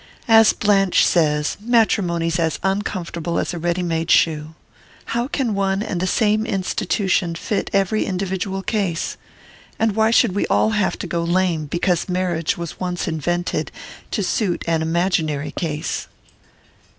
As Blanche says, matrimony's as uncomfortable as a ready made shoe. How can one and the same institution fit every individual case? And why should we all have to go lame because marriage was once invented to suit an imaginary case?"